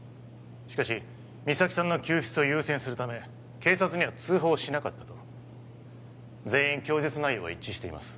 しかし実咲さんの救出を優先するため警察には通報しなかったと全員供述内容は一致しています